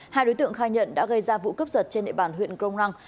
hai đối tượng khai nhận đã gây ra vụ cướp giật trên địa bàn huyện crong năng